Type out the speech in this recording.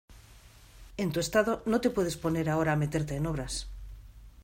en tu estado no te puedes poner ahora a meterte en obras